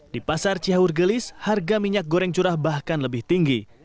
di pasar cihaur gelis harga minyak goreng curah bahkan lebih tinggi